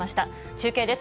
中継です。